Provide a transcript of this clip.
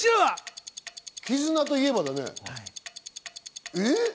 絆といえばだね。